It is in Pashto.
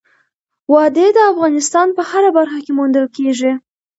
وادي د افغانستان په هره برخه کې موندل کېږي.